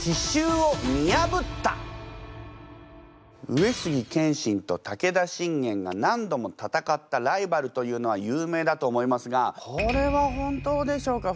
上杉謙信と武田信玄が何度も戦ったライバルというのは有名だと思いますがこれは本当でしょうか？